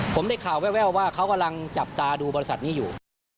ผมได้ข่าวแววว่าเขากำลังจับตาดูบริษัทนี้อยู่